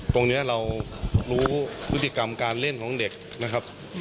ตรงนี้เรารู้พฤติกรรมการเล่นของเด็กนะครับ